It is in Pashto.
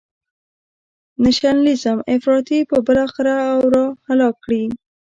نشنلیزم افراطی به بالاخره او را هلاک کړي.